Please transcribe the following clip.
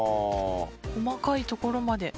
細かいところまで。